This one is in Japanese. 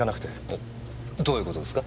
えどういう事ですか？